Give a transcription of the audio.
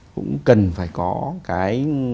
cũng cần phải có cái